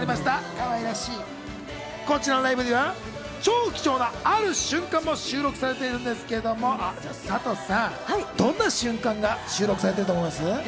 かわいらしいこちらのライブには超貴重なある瞬間も収録されているんですけれども、サトさん、どんな瞬間が収録されていると思いますか？